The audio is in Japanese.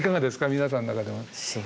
皆さんの中で。